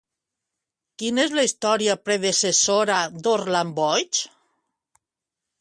Quina és la història predecessora d'Orland boig?